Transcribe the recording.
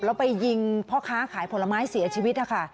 แล้วไปยิงพ่อค้าขายผลไม้เสียชีวิตนะคะ